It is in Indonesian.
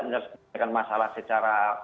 menyesuaikan masalah secara